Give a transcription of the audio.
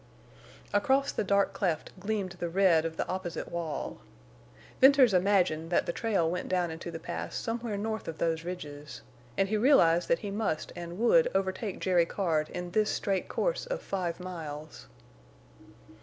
Across the dark cleft gleamed the red of the opposite wall. Venters imagined that the trail went down into the Pass somewhere north of those ridges. And he realized that he must and would overtake Jerry Card in this straight course of five miles.